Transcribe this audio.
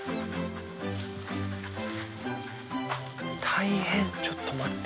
大変ちょっと待って。